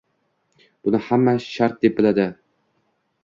Buni hamma shart deb biladi.